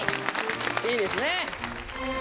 いいですね。